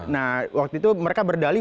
nah waktu itu mereka berdali